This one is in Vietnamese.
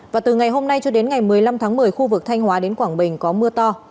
và từ ngày hôm nay cho đến ngày một mươi năm tháng một mươi khu vực thanh hóa đến quảng bình có mưa to